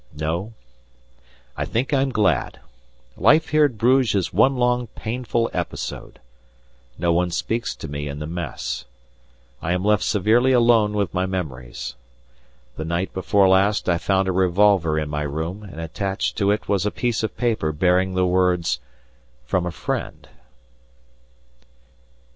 No, I think I am glad. Life here at Bruges is one long painful episode. No one speaks to me in the Mess. I am left severely alone with my memories. The night before last I found a revolver in my room, and attached to it was a piece of paper bearing the words: "From a friend."